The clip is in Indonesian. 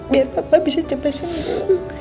biar papa bisa cepat selalu